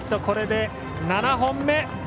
これで７本目。